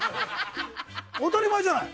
当たり前じゃない。